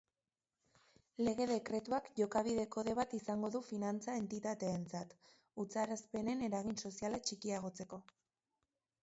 Lege-dekretuak jokabide kode bat izango du finantza entitateentzat, utzarazpenen eragin soziala txikiagotzeko.